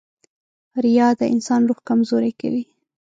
• ریا د انسان روح کمزوری کوي.